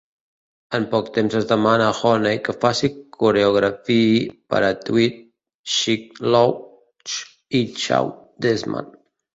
En poc temps es demana a Honey que faci coreografiï per a Tweet, Sheek Louch i Shawn Desman.